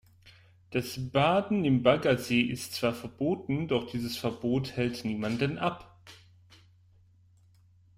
Das Baden im Baggersee ist zwar verboten, doch dieses Verbot hält niemanden ab.